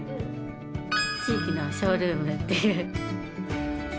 「地域のショールーム」っていう。